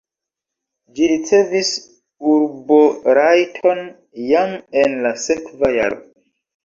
Ĝi ricevis urborajton jam en la sekva jaro.